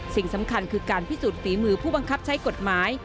สิ่งสำคัญคือการพิสูจนฝีมือผู้บังคับใช้กฎหมาย